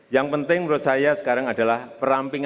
yang penting menurut saya sekarang adalah perampingan